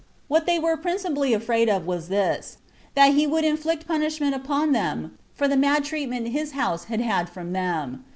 What they were principally afraid of was this, that he would inflict punishment upon them for the mad treatment his house had had from them.